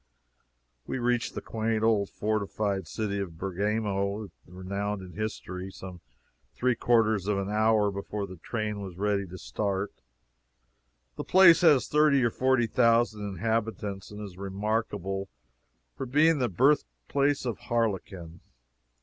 We reached the quaint old fortified city of Bergamo, the renowned in history, some three quarters of an hour before the train was ready to start. The place has thirty or forty thousand inhabitants and is remarkable for being the birthplace of harlequin.